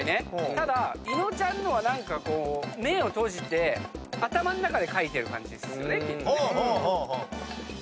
ただ伊野尾ちゃんのは目を閉じて頭の中で描いてる感じですよねきっと。